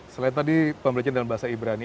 selain tadi pembelajaran dalam bahasa ibrani